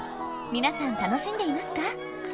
皆さん楽しんでいますか？